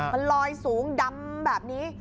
มันลอยสูงดำแบบนี้